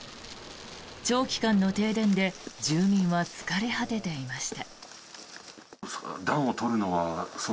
長期間の停電で住民は疲れ果てていました。